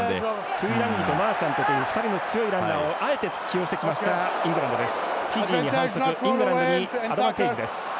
トゥイランギとマーチャントという強いランナーをあえて起用してきたイングランドです。